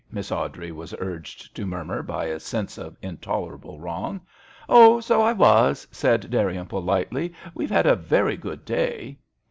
Miss Awdrey was urged to murmur by a sense of intolerable wrong. "Oh! so I was," said Dal rymple, lightly. "We've had a very good day."